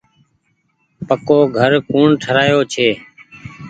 پڪو گھر ڪوڻ ٺرآيو ڇي۔